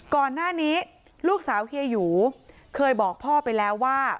ก่อนหน้านี้ลูกสาวเฮียหยูเคยบอกพ่อไปแล้วว่า